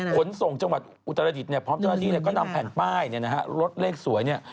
ขนส่งจังหวัดอุตรฐฤษพร้อมจังหวัดที่ก็นำแผ่นป้ายรถเลขสวย